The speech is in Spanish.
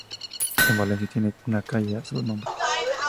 En Valencia tiene una calle a su nombre.